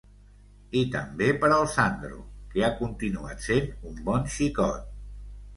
I també per al Sandro, que ha continuat sent un bon xicot...